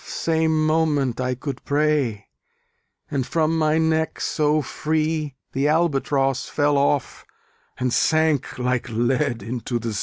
"The self same moment I could pray: And from my neck so free The Albatross fell off, and sank Like lead into the sea."